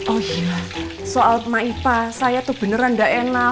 oh iya soal maipa saya tuh beneran gak enak